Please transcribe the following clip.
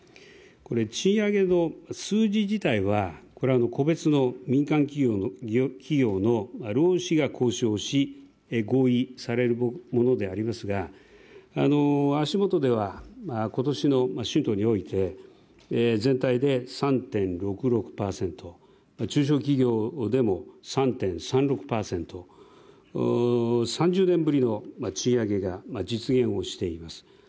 賃上げの数字自体は個別の民家企業の労使が交渉し合意されるものでありますが足元では今年の春闘において全体で３．６６％、中小企業でも３．３６％、３０年ぶりの賃上げが実現しています。